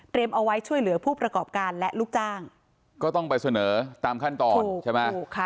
เอาไว้ช่วยเหลือผู้ประกอบการและลูกจ้างก็ต้องไปเสนอตามขั้นตอนใช่ไหม